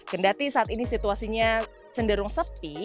kendati saat ini situasinya cenderung sepi